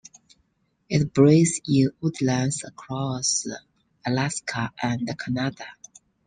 It breeds in woodlands across Alaska and Canada.